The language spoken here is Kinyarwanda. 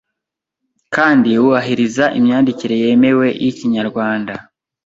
kandi wuahiriza imyandikire yemewe y’Ikinyarwanda